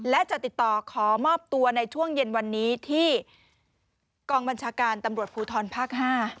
และจะติดต่อขอมอบตัวในช่วงเย็นวันนี้ที่กองบัญชาการตำรวจภูทรภาค๕